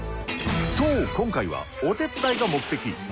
そう、今回はお手伝いが目的。